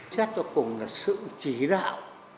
chắc cho cùng là sự chỉ đạo